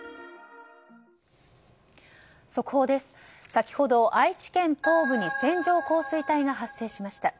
先ほど愛知県東部に線状降水帯が発生しました。